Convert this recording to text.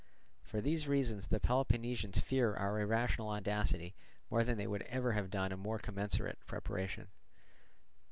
For these reasons the Peloponnesians fear our irrational audacity more than they would ever have done a more commensurate preparation.